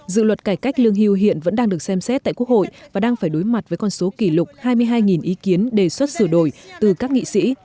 dự luật cải cách lương hưu hiện vẫn đang được xem xét tại quốc hội và đang phải đối mặt với con số kỷ lục hai mươi hai ý kiến đề xuất sửa đổi từ các nghị sĩ